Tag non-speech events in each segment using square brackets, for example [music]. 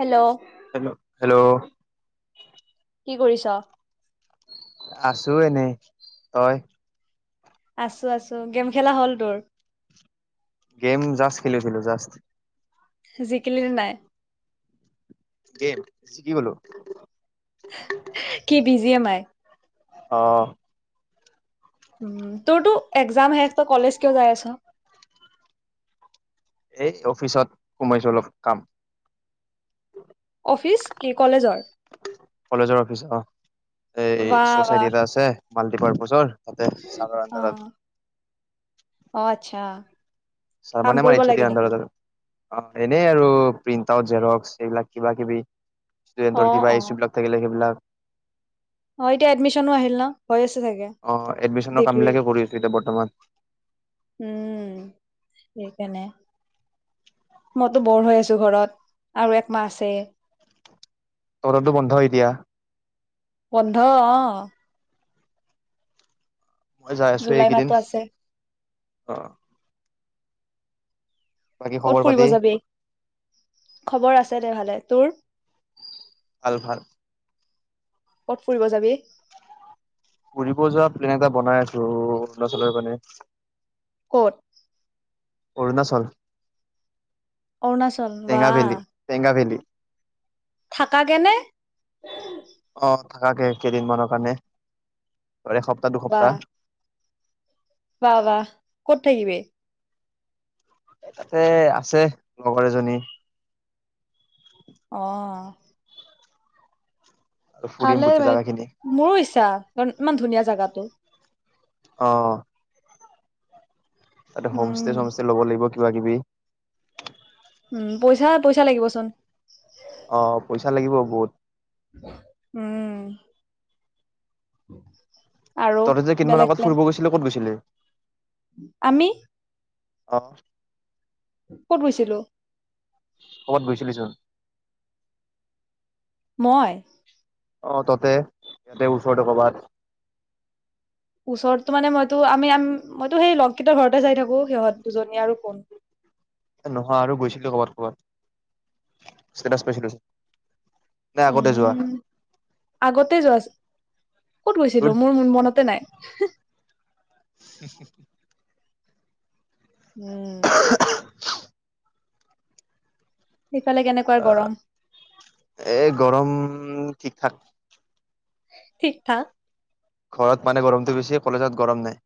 Hello hello কি কৰিছ? আছো এনেই তই? আছো আছো গেম খেলা হ'ল তোৰ? গেম জাষ্ট খেলিছিলো জাষ্ট জিকিলিনে নাই গেম জিকি গ'লো। কি বিজিয়ে মাই। অ'। উম । তোৰতো এক্জাম শেষ, তই কলেজ কিয় যাই আছ'? এ অফিচত সোমাইছোঁ। অলপ কাম। অফিচ? কি কলেজৰ? কলেজৰ অফিচ অ ৱাহ- ৱাহ। মালটি-পাৰপাছ'ৰ । তাতে চাৰৰ আন্দাৰত। অ' আচ্ছা। চাৰ কাম মানে আমাৰ কৰিব এইচ অ লাগে দিৰ নেকি? আন্দাৰত আৰু। অ' এনেই আৰু । প্ৰিন্ট-আউট, জেৰক্স এইবিলাক কিবা কিবি । অ ষ্টুডেণ্টৰ কিবা অ ইছ্যুবিলাক সেইবিলাক অ' এতিয়া এডমিচনো আহিল ন'? হৈ আছে চাগে অ এডমিশনৰ কাম ডিগ্ৰীৰ বিলাকে । কৰি আছো এতিয়া বৰ্তমান উম। সেইকাৰণে। মইতো ব'ৰ হৈ আছো ঘৰত । আৰু একমাহ আছে। তহঁতৰটো বন্ধ হয় এতিয়া। বন্ধ অ'। মই যাই আছো জুলাই এইকেইদিন মাহতো আছে। অ'। বাকী খবৰ ক'ত ফুৰিব পাতি যাবি? খবৰ আছে দে ভালে। তোৰ? ভাল-ভাল। ক'ত ফুৰিব যাবি? ফুৰিব যোৱা প্লেন এটা বনাই আছোঁ অৰুণাচলৰ মানে। ক'ত? অৰুণাচল। অৰুণাচল? টেঙা বাঁ। ভেলী টেঙা ভেলী থাকাকে নে? অ থাকাকে কেইদিনমানৰ কাৰণে। বাহ এসপ্তাহ-দুসপ্তাহ । বাহ- বাহ। ক'ত থাকিবি? এ তাতে আছে, লগৰ এজনী। অ'। আৰু ফুৰিম ভালে গোটেই ৰে। জাগা খিনি মোৰো ইচ্ছা। কাৰণ ইমান ধুনীয়া জাগাটো। অ'। ততে উম হোমষ্টে- চমষ্টে ল'ব লাগিব কি কিবা-কিবি। উম, পইচা- পইচা লাগিবচোন। অ' পইচা লাগিব বহুত। উম [inaudible] তই যে কেইমান বেলেগ আগত প্লেন ফুৰিব গৈছিলে ক'ত গৈছিলি? আমি অহ ক'ত গৈছিলো? ক'বাত গৈছিলিচোন মই অ' তাতে ইয়াতে ওচৰতে কৰবাত ওচৰতো মানে মইতো আমিম মইতো সেই লগকেইটাৰ ঘৰতে গৈ থাকো সিহঁত দুজনী আৰু কোন নহয় আৰু গৈছিলো কৰ'বাত ক'বাত ষ্টেটাছ পাইছিলো নে আগতে যোৱা উম আগতে যোৱা ক'ত ধুত গৈছিলো মোৰ মনতে নাই উম সেইফালে কেনেকুৱা গৰম অ' এই গৰম ঠিক ঠাক ঠিক ঠাক ঘৰত মানে গৰমটো বেছি কলেজত গৰম নাই।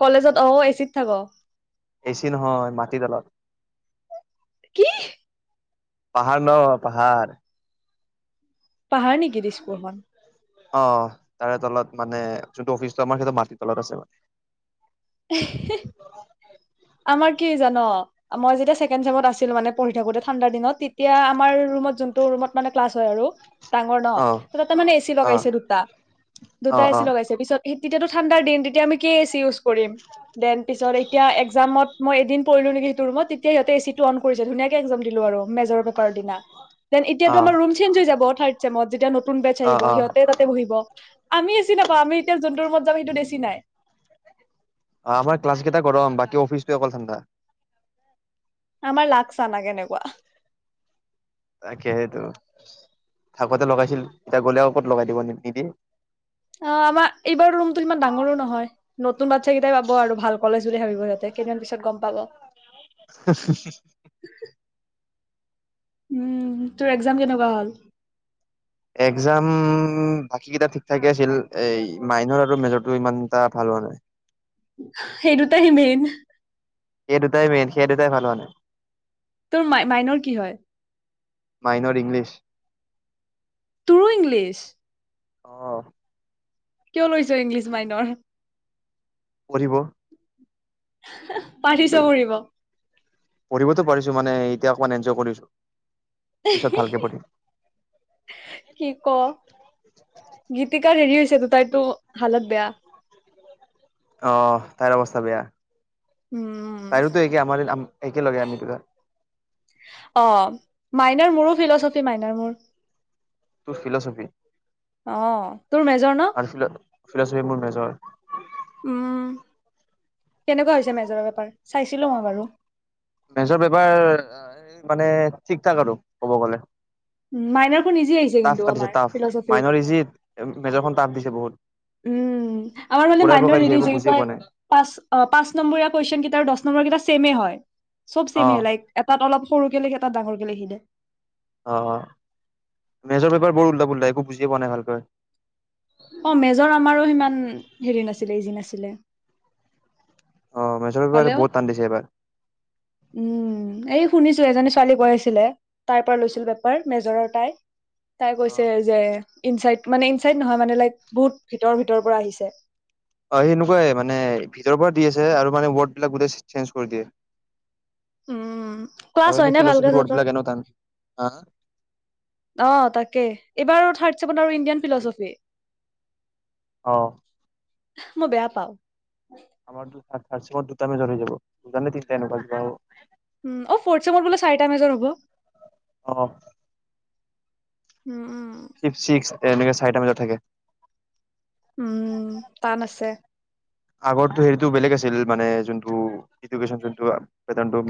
কলেজত অ' এচিত থাক এচি নহয় মাটি তলত কি? পাহাৰ ন পাহাৰ পাহাৰ নেকি দিছপুৰ খন? অ' তাৰে তলত মানে যোনটো অফিচটো আমাৰ সেইটো মাটিৰ তলত আছে মানে এই হেহ আমাৰ কি জান মই যেতিয়া চেকেণ্ড চেমত আছিলো মান পঢ়ি থাকোঁ‌তে ঠণ্ডাৰ দিনত তেতিয়া আমাৰ যোন ৰুমত ক্লাছ হয় আৰু ডাঙৰ ন অ ত তাতে মানে এচি অ লগাইছে দুটা। অ দুটা অ এচি লগাইছে পিছত স তেতিয়াও ঠাণ্ড দিন তেতিয়া আমি কি এচি ইউজ কৰিম দেন পিছত তেওঁতিয়া এক্ যা মই এদিন পৰিলো নেকি সেইটো ৰুমত তেতিয়া সিহঁতে এচিটো অন কৰিছে ধুনীয়াকে একজাম দিলো আৰু মেজৰ পেপাৰৰ দিনা দেন অ এতিয়াতো আমাৰ ৰুম চেঞ্জ হৈ যাব। থাৰ্ড ছেমত যেতিয়া মই নতুন বেচ অ আহিব অ সিহঁতে তাতে বহিব ।আমি যি নাপাওঁ আমি এতিয়া যোনটো ৰুমত যাব সেইটো এচি নাই আমাৰ ক্লাছ কেইটা গৰম বাকী অফিচ ত অকল ঠাণ্ডা আমাৰ লাগচা না কেনেকুৱা তাকে সেইটো থাকোতে লগাইছিল এতিয়া গ'লে আৰু ক'ত লগাই দিব নিদিয় অ' আমাৰ এইবাৰ ৰুমতো ইমান ডাঙৰো নহয়। নতুন বাচ্ছা কেইটাই পাব আৰু ভাল কলেজ। ভাবিব তাহাতে কেইদিনমান পিছত গম পাব উম তোৰ এক্জাম কেনেকুৱা হ'ল? এক্জাম বাকী কেইটা ঠিক ঠাকেই আছিল এই মাইন আৰু মেজৰটো ইমান এটা ভাল হোৱা নাই। সেইটো দুটাহে মেইন। সেই দুটাই মেইন সেই দুটাই ভাল হোৱা নাই তোৰ মাই মাইনৰ কি হয় মাইনৰ ইংলিছ তোৰো ইংলিছ আহ কিয় লৈছো ইংলিছ মাইনৰ? পঢ়িব পাৰিছ পঢ়িব পঢ়িবতো পাৰিছো মানে এতিয়া অকমান এনজয় কৰিছো। পিছত ভালকে পঢ়িম। কি ক গীতিকাৰা হেৰি হৈছে টো তাইতটো হালত বেয়া। অ তাইৰ অৱস্থা বেয়া উম তাইৰোতো একে আমাৰ একে লগে আমি অ মাইনাৰ মোৰো ফিলচফি মাইনাৰ মোৰ। তোৰ ফিলচফি আহ তোৰ মেজৰ ন? আৰু ফিলচফি মোৰ মেজৰ। উম কেনেকুৱা হৈছে মেজৰ পেপাৰ চাইছিলো মই বাৰু। মেজৰ পেপাৰ মানে ঠিক ঠাক আৰু কব গ'লে। উ মাইনৰ টাফ কাটিছে টাফ মাইনৰ ইজি মেজৰখন টাফ দিছে বহুত। উম আমাৰ মানে ঘূৰাই মাইনৰ পকাই দিছে হেৰি একো যে বুজিয়ে কয় পোৱা নাই। পাঁচ পাঁচ নম্বৰ কুৱেশচন কেইটা আৰু দহ নম্বৰ কেইটা চেমে হয় চব চিমে অ', লাইক এটাত অলপ সৰু লিখে ডাঙৰকে লিখি দিয়ে। অ মেজৰ পেপাৰ বৰ উল্টা পুলটা একো বুজিয়ে পোৱা নাই ভালকৈ অ মেজৰ আমাৰো সিমান হেৰি নাছিলে ইজি নাছিলে। অ মেজৰ পেপাৰ হ'লেও বহুত টান্ দিছে এইবাৰ। শুনিছিলো এজনী ছোৱালী কৈ আছিলে তাই পৰা লৈছিল পেপাৰ মেজৰৰ তাই। তাই অ', কৈছে যে ইনচাইট মানে ইনচাইড নহয় মানে লাইক বহুত ভিতৰ- ভিতৰৰ পৰা আহিছে। অ সেনেকুৱাই মানে ভিতৰৰ পৰা দি আছে আৰু মানে ৱৰ্ড বিলাক গোটেই চেঞ্জ কৰি দিয়ে। উম ক্লাছ আৰু এনে হয় নে ভালকৈ ফিলচফিৰ তহঁতৰ ৱৰ্ডবিলাক এনেও টান। অ তাকেই এইবাৰ থাৰ্ত আৰু ইণ্ডিয়ান ফিলচফি অ মই বেয়া পাও। আমাৰ টো থাৰ থাৰ্ড চেমত দুটা মেজৰ হৈ যাব দুটা তিনিটা এনেকুৱা কিবা হ'ব। উ অ ফৰ্থ বোলে চাৰিটা মেজৰ হ'ব অ উম উম এ এনেকে চাৰিটা বজাত থাকে। উম টান আছে আগত হেৰিতটো বেলেগ আছিল মানে যোনটোন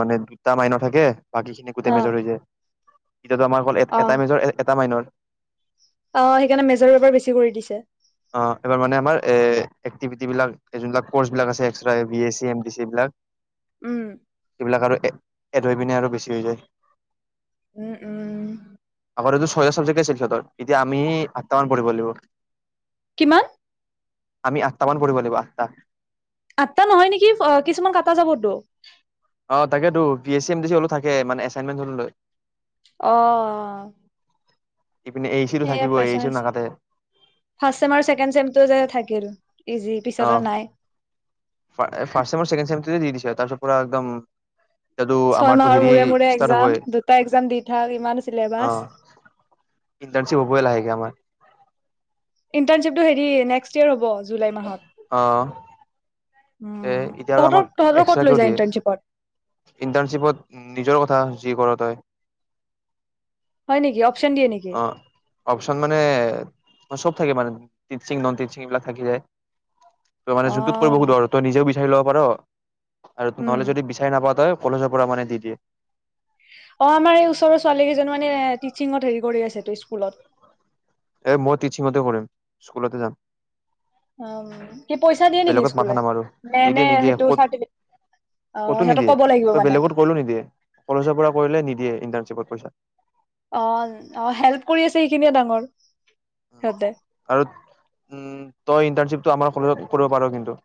মানে দুটা মাইনৰ থাকে বাকী খিনি গোটেই অ মেজৰ হৈ যায় এতিয়া আমাৰ অকল অ এটা মেজৰ এটা মাইনৰ অ সেইকাৰণে মেজৰ পেপাৰ বেছি কৰি দিছে অ এইবাৰ মানে আমাৰ এ এক্টিভিটি বিলাকি যোনবিলাক কৰ্চ বিলাক আছে্ এক্সট্ৰা বিএচি এডিচি বিলাক উম এইবিলাক আৰু এ ধৈ পিনে আৰু বেছি হৈ যায় উম উম আগতেতো ছয়টা ছাবজেক্ট আছিল সিহঁত এতিয়া আমি আঠটা মান পঢ়িব লাগিব কিমান আমি আঠটামান পৰিব লাগিব আঠটা আট্টা নহয় নেকি কিছুমান কাটা যাবতো অ তাকেতো ভি এ চিম দি চি হলেও থাকে। মানে এচাইনমেন্ট হলেও লয়। অ' ইপিনে এ চি টো সেইয়া থাকিব এ চি প্ৰেচাৰ টো নাকাটে ফাৰ্ষ চম আৰুকে ছেকেণ্ড চেমটো থাকে অ ফাৰ্ষ্ট ছেকেণ্ড ছেমৰটো দি দিছ তাৰিছত পুৰা একদম এতিয়াতো ছয় আমাৰতো মাহৰ হেৰি মূৰে মূৰে ষ্টাৰ্ট হ'বই এক্জাম। দুটা এক্জাম দি থাক, ইমান অ চিলেবাছ। ইণ্টাৰ্ণশ্বিপ হ'বই লাহেকে আমাৰ ইণ্টাৰ্শ্বিপটো নেক্সট ইয়েৰ হব জুলাই মাহত। আহ তে উম এতিয়া আৰু তহঁতৰ আমাক তহঁতৰ ক'ত লৈ এক্সট্ৰাকেও যায় দিয়ে। ইণ্টাৰ্ণশ্বিপত ইণ্টাৰ্নশ্বিপত নিজৰ কথা যি কৰ। ত হয় নেকি অপচন দিয়ে নেকি? অ অপচন মানে চব থাকে মানে তিত সিং নন তিত সিং এইবিলাক থাকি যায় ত মানে অ। যুত কৰিব খুত দৰ হয় তই নিজেও বিচাৰি ল'ব পাৰ আৰু উম। তোমাৰলৈ যদি বিচাৰি নাপাওঁ তাৰ কলেজৰ পৰা মানে দি দিয়ে অ আমাৰ এই ওচৰৰ ছোৱালী কেইজন মানে টিচিঙত হেৰি কৰি আছে তো স্কুলত। এ মই টিচিঙত কৰিম স্কুলতে যাম উম কি পইচা দিয়ে নেকি বেলেগত স্কুলে মাথা নামাৰো নে নে নিদিয়ে নিদিয়ে সেইটো কত চাৰ্টিফিকেট অ কতো সিহঁতক নিদিয়ে ক'ব লাগিব তই মানে বেলেগত কৰিলো নিদিয়ে কলেজৰ পৰা কৰিলে নিদিয়ে ইণ্টাৰ পা অ অ হেল্প কৰি আছে সেইখিনিয়ে ডাঙৰ সিহঁতে আৰু উম তই ইণ্টাৰনশিপ তই আমাৰ কলেজত কৰিব পাৰো কিন্তু।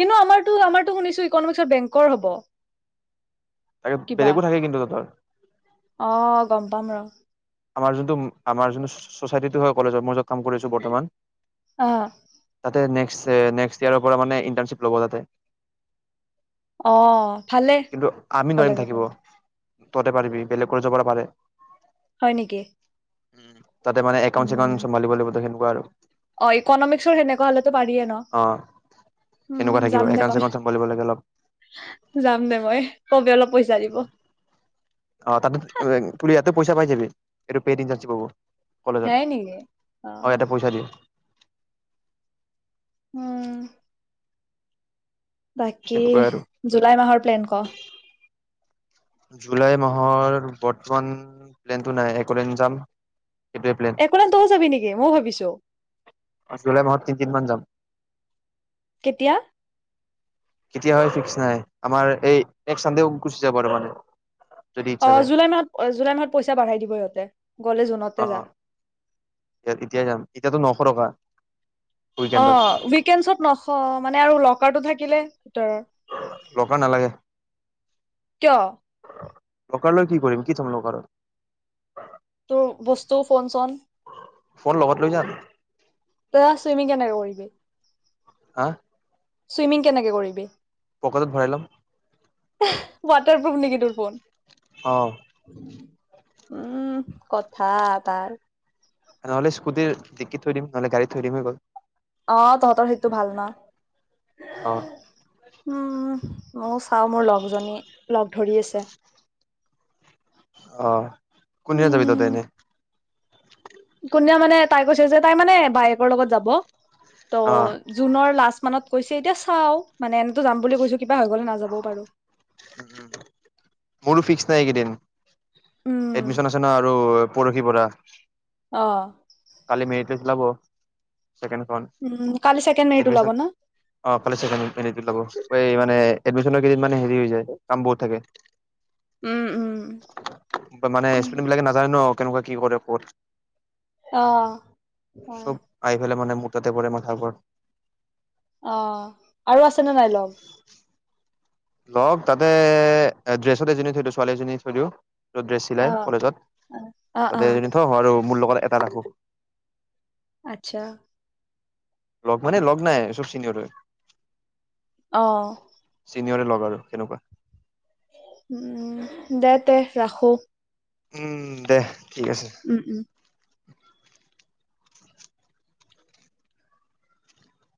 কিন্তু আমাৰতো- আমাৰতো শুনিছো ইকনমিক্সৰ বেংকৰ হ'ব। আও কিবা বেলেগো থাকে কিন্তু হেতৰ বামৰ আমাৰ যোনটো আমাৰ যোনটো ছচাইটি টো হয় কলেজৰ মাই যত কাম কৰিছোঁ বৰ্তমান অ তাতে নে নেক্স ইয়াৰৰ পৰা মানে ইণ্টাৰ্শ্বিপ ল'ব তাতে অ ভালে কলেজত। ততে পাৰিবি বেলেগ কলেজৰ পৰা পাৰে। হয় নেকি উম তাতে মানে এউণ্ চছেকাউ উম চম্ভালিব লাগে গোটে বাৰ অ ইকনমিক্সৰ সেনেকুৱা হলেতো পাৰিয়ে ন অ সেনেকুৱা উ থাকিব যাম দে একাউণ্ট চেকাউণ্ট চম্ভালিব লাগে অলপ মই যাম দে মই পইচা দিব অ তাৰপিছত পুৰীয়াত পইচা পাই যাবি হেইটো পে এন্তাঞ্চিপ হব। হে নেকি অ কলেজত ইয়াতে পইচা দিম। উম বাকী সেনেকুৱাই আৰু জুলাই মাহৰ প্লেন ক? জুলাই মাহৰ বৰ্তমান প্লেনতটো নাই অকলেন যাম সেইটোৱে প্লেন অকলেন তৌ যাবি নেকি মই ভাবিছো জুলাই মাহত তিনদিন মান যাম কেতিয়া? কেতিয়া হয় ফিক্স নাই আমাৰ নেক্সটচান্দেও গুচি যাব পাৰোঁ আহ জুলাই মাহত জুলাই মাহত পইচা বাঢ়াই দিব ইহঁতে গলে জুনতে অ যা। এতিয়াই যাম এতিয়াতো নশ টকা অ উইকেণ্ডত উইকেডছত নহ মানে আৰু ল থকাটো থাকিলে ভিতৰৰ লগ নালাগে কিয় লকাৰ লৈ কি কৰিম কি থম লকাৰত তোৰ বস্তু ফোন চোন ফোন লগত লৈ যাম অ চুইমিং কেনেকে কৰিবি হা চুইমিং কেনেকে কৰিবি পকাতেত ভৰাইলাম ৱাটাৰপ্ৰুফ নেকি তোৰ ফোন? অ উম উম কথা তাৰ নহলে স্কুটিৰ দিকিত থৈ দিম নহলে গাড়ী থৈ দিম হৈ গ'ল৷ অ তহঁতৰ সেইটো ভাল ন? অ ময়ো চাও মোৰ লগজনী লগ ধৰি আছে অহ কোনদিনা যাবি তহতে এনেই? কোনে মানে তাই কৈছে যে তাই মানে বায়েকৰ লগত যাব ৷ অ ত' জুনৰ লাষ্ট মানত কৈছে এতিয়া চাও মানে এনেতো যাম বুলি কৈছো কিবা হৈ গলে নাযাবও পাৰো৷ মোৰো ফিক্স নাই এইকেইদিন উম এডমিচন আছে ন আৰু প কি পৰা অ কালি মেৰি হতে চলাব চেকেন খন উম কালি ছেকেণ্ড মেৰিট ওলাব এডমিচন ন? অ কালি এ মানে এডমিচন কেলেই মানে হেৰি হৈ সে কাম বহুত উম উম থাকে৷ মানে ‍ ইস্পিলিং বিলাকে নাজানে ন কেনেকুৱা কি কৰে ক'ত অহ হয় চব আহি পেলাই মানে মোৰ তাতে পৰে মাথা ঘৰ অ আৰু আছে নে নাই লগ লগ তাতে ড্ৰেছত এজনী থৈ দিওঁ ছোৱালী এজনী থৈ দিওঁ ৷ ড্ৰেছ অ চিলাই কলেজত অ অ তাতে থ আৰু মোৰ লগত এটা ৰাখো আচ্ছা! লগ মানে লগ নাই চব চিনিয়ৰ হয়৷ অ তিনিয়ৰে লগ আৰু এনেকুৱা উম দে তে ৰাখো৷ উম দে ঠিক আছে৷ উম উম